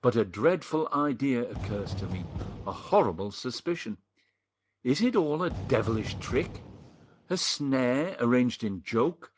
But a dreadful idea occurs to me—a horrible suspicion! Is it all a devilish trick—a snare arranged in joke?